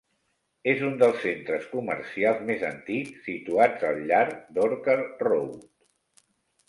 És un dels centres comercials més antics situats al llarg d'Orchard Road.